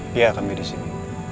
dia akan disini